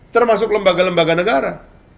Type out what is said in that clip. termasuk lembaga lembaga negara